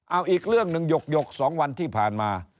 เอาอีกเรื่องหนึ่งหยก๒วันที่ผ่านมา